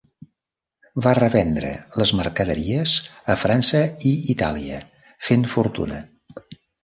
Va revendre les mercaderies a França i Itàlia, fent fortuna.